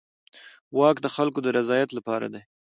واک د خلکو د رضایت لپاره دی.